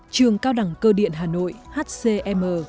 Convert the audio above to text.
trường cao đẳng cơ điện hà nội hcm